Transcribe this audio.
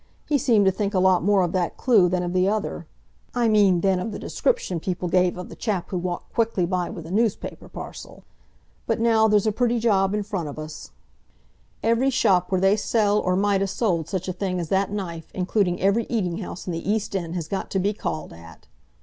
He seemed to think a lot more of that clue than of the other—I mean than of the description people gave of the chap who walked quickly by with a newspaper parcel. But now there's a pretty job in front of us. Every shop where they sell or might a' sold, such a thing as that knife, including every eating house in the East End, has got to be called at!"